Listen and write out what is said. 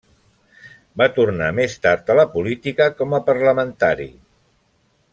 Va tornar més tard a la política com a parlamentari.